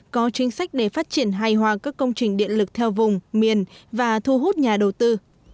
có chính sách để phát triển hài hòa các công trình điện lực theo vùng miền và thu hút nhà đầu tư